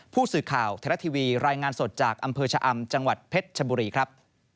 ผู้สื่อข่าวไทยรัฐทีวีรายงานสดจากอำเภอชะอำจังหวัดเพชรชบุรีครับ